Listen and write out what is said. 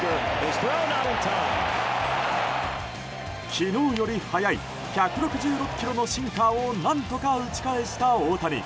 昨日より速い１６６キロのシンカーを何とか打ち返した大谷。